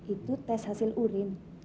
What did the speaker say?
itu tes hasil urin